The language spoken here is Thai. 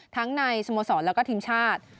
ทั้งในสโมสรแล้วก็ทีมชาติ